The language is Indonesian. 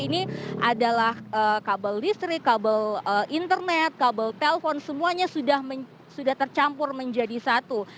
ini adalah kabel listrik kabel internet kabel telpon semuanya sudah tercampur menjadi satu